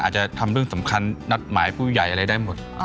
ใช่นะครับไป